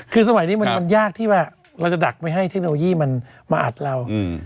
คือสมัยนี้มันยากที่ว่าเราจะดักไม่ให้เทคโนโลยีมันมาอัดเรา